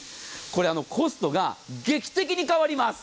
これ、コストが劇的に変わります。